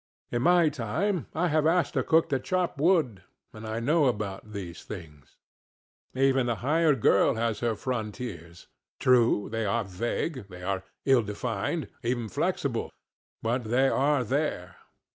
In my time I have asked a cook to chop wood, and I know about these things. Even the hired girl has her frontiers; true, they are vague, they are ill defined, even flexible, but they are there.